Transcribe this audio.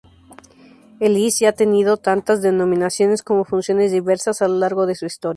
Ellis ya tenido tantas denominaciones como funciones diversas a lo largo de su historia.